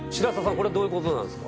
これどういうことなんですか？